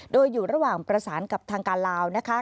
โดยอยู่ระหว่างประสานกับทางการลาวนะคะ